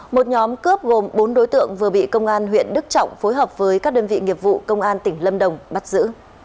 một nhóm cướp gồm bốn đối tượng vừa bị công an huyện đức trọng phối hợp với các đơn vị nghiệp vụ công an tỉnh lâm đồng bắt giữ